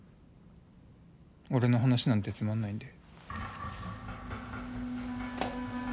俺の話なんてつまんないんで。